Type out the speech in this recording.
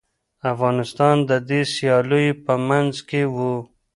افغانستان د دې سیالیو په منځ کي و.